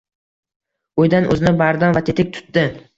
Uydan o‘zini bardam va tetik tutdi.